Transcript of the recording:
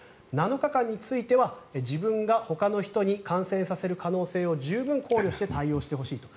７日間については自分がほかの人に感染させる可能性を十分考慮して対応してほしいと。